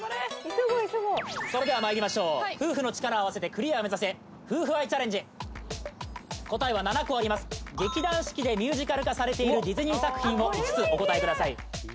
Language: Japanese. それではまいりましょう夫婦の力を合わせてクリアを目指せ劇団四季でミュージカル化されているディズニー作品を５つお答えください